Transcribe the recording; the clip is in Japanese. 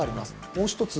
もう一つ。